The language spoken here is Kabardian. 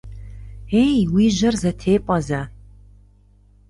Ей, уи жьэр зэтепӏэ зэ!